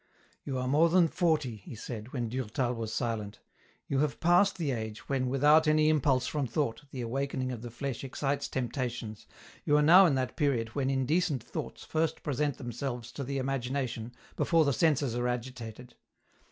" You are more than forty," he; said, when Durtal was silent ;" you have passed the agei when without any im* pulse from thought, the awakening of the flesh excites temptations, you are now in that period when indecent thoughts first present themselves to the imagination, before the senses are agitated.